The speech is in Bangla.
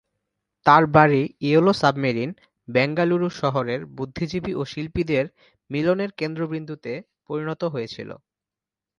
তার বাড়ি "ইয়েলো সাবমেরিন" বেঙ্গালুরু শহরের বুদ্ধিজীবী ও শিল্পীদের মিলনের কেন্দ্রবিন্দুতে পরিণত হয়েছিল।